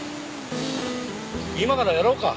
今からやろうか？